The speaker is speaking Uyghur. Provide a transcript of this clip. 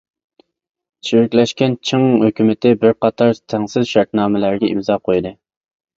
چىرىكلەشكەن چىڭ ھۆكۈمىتى بىر قاتار تەڭسىز شەرتنامىلەرگە ئىمزا قويدى.